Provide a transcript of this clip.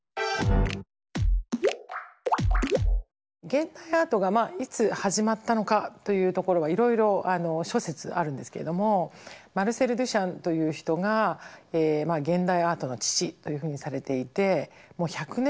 現代アートがいつ始まったのかというところはいろいろ諸説あるんですけれどもマルセル・デュシャンという人が現代アートの父というふうにされていてもう１００年